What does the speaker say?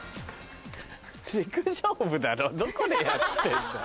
陸上部だろどこでやってんだよ。